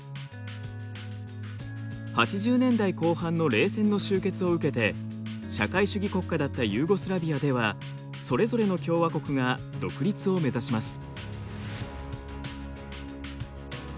８０年代後半の冷戦の終結を受けて社会主義国家だったユーゴスラビアではそれぞれの共和国が独立を目指します。